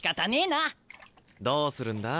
どうするんだ？